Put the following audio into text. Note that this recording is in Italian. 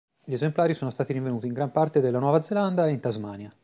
Gli esemplari sono stati rinvenuti in gran parte della Nuova Zelanda e in Tasmania.